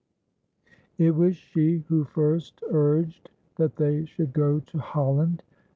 It was she who first urged that they should go to Holland.